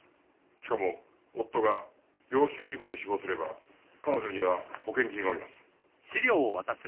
しかも夫が病気か事故で死亡すれば彼女には保険金がおります。